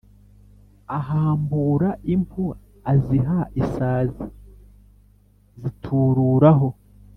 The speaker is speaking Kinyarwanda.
ahambura impu aziha isazi zitururaho